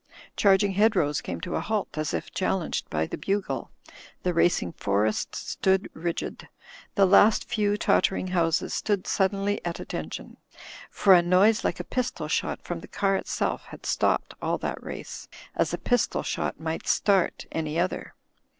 Charging hedgerows came to a halt, as if chal lenged by the bugle. The racing forests stood rigid. The last few tottering houses stood suddenly at at tention. For a noise like a pistol shot from the car itself had stopped all that race, as a pistol shot might start any other.